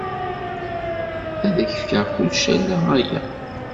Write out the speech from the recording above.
Ad ak-fkeɣ kullec ala aya.